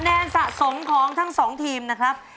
แนนสะสมของทั้งสองทีมนะครับ